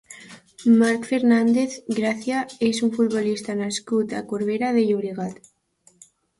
Marc Fernández Gracia és un futbolista nascut a Corbera de Llobregat.